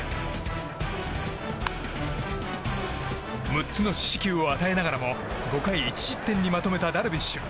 ６つの四死球を与えながらも５回１失点にまとめたダルビッシュ。